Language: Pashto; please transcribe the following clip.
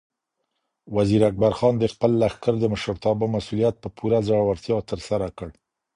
وزیر اکبر خان د خپل لښکر د مشرتابه مسؤلیت په پوره زړورتیا ترسره کړ.